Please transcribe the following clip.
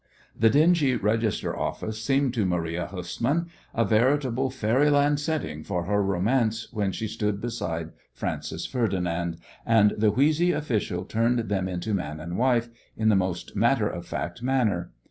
The dingy register office seemed to Maria Hussmann a veritable Fairyland setting for her romance when she stood beside Francis Ferdinand, and the wheezy official turned them into man and wife in the most matter of fact manner.